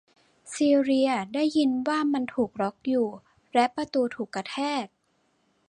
ซีเลียได้ยินว่ามันถูกล๊อคอยู่ และประตูถูกกระแทก